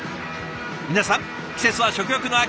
皆さん季節は食欲の秋。